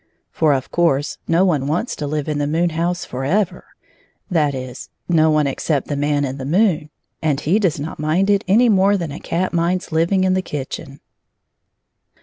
For, of course, no one wants to live in the moon house forever — that is, no one except the Man in the moon, and he does not mind it any more than, a cat minds Uving in the kitchen.